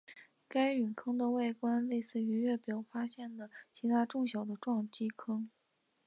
该陨坑的外观类似于月表上发现的其它众多的小撞击坑。